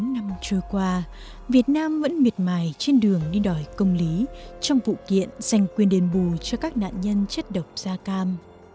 bốn mươi năm trôi qua việt nam vẫn miệt mài trên đường đi đòi công lý trong vụ kiện dành quyền đền bù cho các nạn nhân chất độc da cam